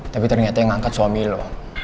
tapi ternyata yang ngangkat suami loh